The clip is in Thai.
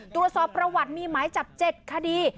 ตรวจสอบประวัติมีหมายจับ๗คดี